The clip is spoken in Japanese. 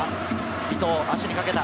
伊東、足にかけた。